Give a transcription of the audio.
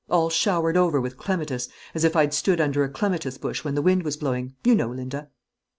all showered over with clematis, as if I'd stood under a clematis bush when the wind was blowing, you know, Linda."